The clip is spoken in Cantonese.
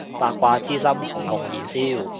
八卦之心熊熊燃燒